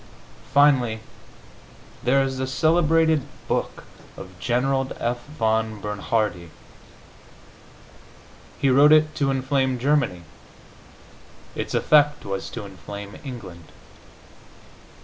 Finally, there is the celebrated book of General F. von Bernhardi. He wrote it to inflame Germany; its effect was to inflame England....